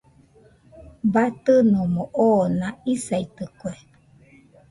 Batɨnomo oona isaitɨkue.